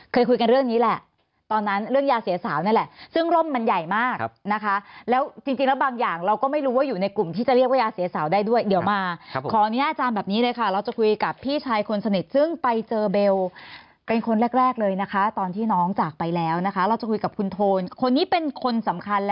เคยคุยกันเรื่องนี้แหละตอนนั้นเรื่องยาเสียสาวนั่นแหละซึ่งร่มมันใหญ่มากนะคะแล้วจริงแล้วบางอย่างเราก็ไม่รู้ว่าอยู่ในกลุ่มที่จะเรียกว่ายาเสียสาวได้ด้วยเดี๋ยวมาขออนุญาตอาจารย์แบบนี้เลยค่ะเราจะคุยกับพี่ชายคนสนิทซึ่งไปเจอเบลเป็นคนแรกเลยนะคะตอนที่น้องจากไปแล้วนะคะเราจะคุยกับคุณโทนคนนี้เป็นคนสำคัญ